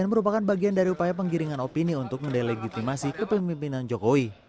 dan merupakan bagian dari upaya penggiringan opini untuk melelegitimasi kepemimpinan jokowi